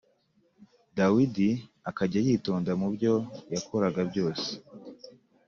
Dawidi akajya yitonda mu byo yakoraga byose